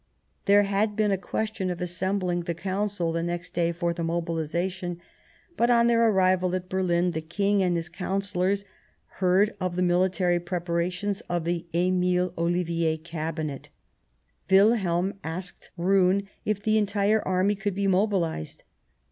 There had been a question of assembling the Council the next day for the mobilization ; but on their arrival at Berlin the King and his Councillors heard of the military preparations of the Emile Ollivier Cabinet. WiUiam asked Roon if the entire Army could be mobilized.